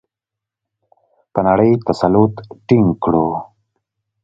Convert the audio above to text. په نړۍ تسلط ټینګ کړو؟